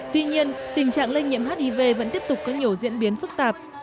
tuy nhiên tình trạng lây nhiễm hiv vẫn tiếp tục có nhiều diễn biến phức tạp